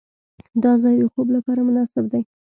دا ځای د خوب لپاره مناسب دی.